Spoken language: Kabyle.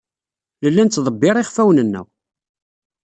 Nella nettḍebbir iɣfawen-nneɣ.